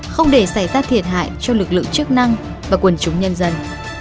không để xảy ra thiệt hại cho lực lượng chức năng và quần chúng nhân dân